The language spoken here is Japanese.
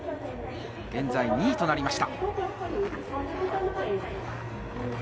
現在２位となりました。